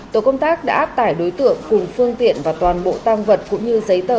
tổ công tác đã áp tải đối tượng cùng phương tiện và toàn bộ tăng vật cũng như giấy tờ